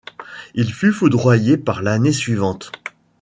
Il fut foudroyé par l'année suivante.